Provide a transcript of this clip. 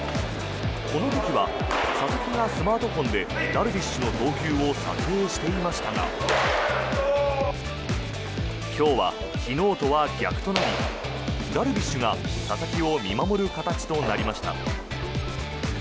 この時は佐々木がスマートフォンでダルビッシュの投球を撮影していましたが今日は、昨日とは逆となりダルビッシュが佐々木を見守る形となりました。